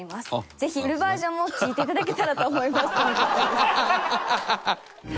ぜひフルバージョンも聴いていただけたらと思いますとの事です。